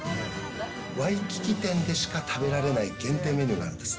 ワイキキ店でしか食べられない限定メニューがあるんです。